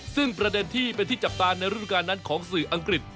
ซึ่งประเด็นที่เป็นที่จับตาในฤดูการนั้นของสื่ออังกฤษ